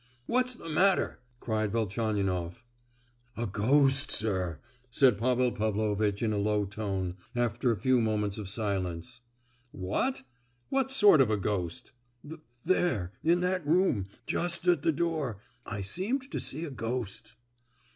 "What's the matter?" cried Velchaninoff. "A ghost, sir," said Pavel Pavlovitch, in a low tone, after a few moments of silence. "What? What sort of a ghost?" "Th—there—in that room—just at the door, I seemed to see a ghost!"